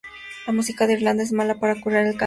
La música de irlanda es mala para curar el cáncer